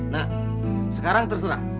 nah sekarang terserah